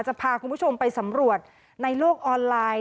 จะพาคุณผู้ชมไปสำรวจในโลกออนไลน์